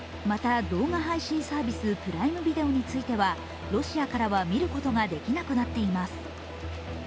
また動画配信サービス、プライムビデオについてはロシアからは見ることができなくなっています。